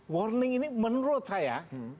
warning ini menurut saya